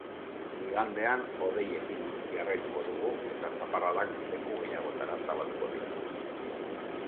Igandean hodeiekin jarraituko dugu eta zaparradak leku gehiagotara zabalduko dira.